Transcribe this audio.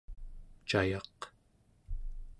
cayaq